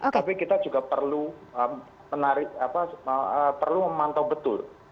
tapi kita juga perlu memantau betul